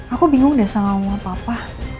aku bingung deh sama mama papa